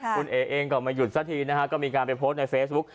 คุณเอ๋เองก็ไม่หยุดซะทีนะฮะก็มีการไปโพสต์ในเฟซบุ๊ค